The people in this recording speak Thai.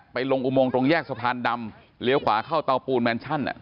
ลงอุโมงตรงแยกสะพานดำเลี้ยวขวาเข้าเตาปูนแมนชั่น